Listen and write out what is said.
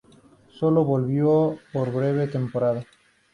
Sólo volvió por breve temporada.